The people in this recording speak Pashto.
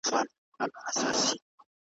هره دقيقه او ساعت دونه ارزښت لري چي هېڅ ځای ,